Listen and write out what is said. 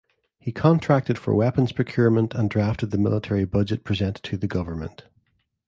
He contracted for weapons procurement and drafted the military budget presented to the government.